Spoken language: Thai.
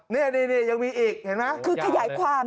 นี่ยังมีอีกเห็นไหม